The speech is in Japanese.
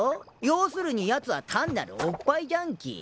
要するにやつは単なるおっぱいジャンキー。